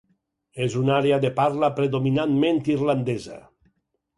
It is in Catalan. És una àrea de parla predominantment irlandesa.